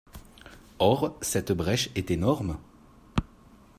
Or cette brèche est énorme.